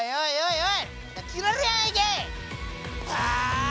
おい！